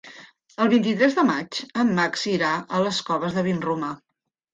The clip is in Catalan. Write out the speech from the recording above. El vint-i-tres de maig en Max irà a les Coves de Vinromà.